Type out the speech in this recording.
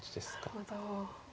なるほど。